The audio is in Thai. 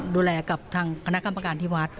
ดูแลกับทางคณะกรรมการที่วัด